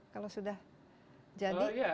kalau sudah jadi